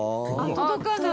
届かない。